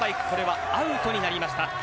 これはアウトになりました。